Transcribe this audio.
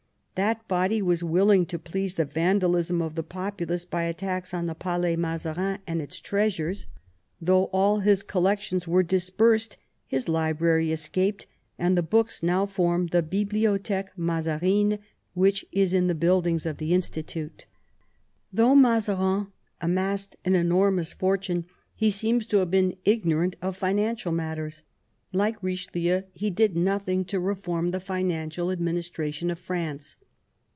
That body was willing to please the vandalism of the populace by attacks on the Palais Mazarin and its treasures. 170 MAZARIN ohap. Though all his collections were dispersed, his library escaped, and his books now form the 6iblioth6que Mazarine, which is in the buildings of the Institut. Though Mazarin amassed an enormous fortune, he seems to have been ignorant of financial matters. Like Richelieu, he did nothing to reform the financial admin istration of France.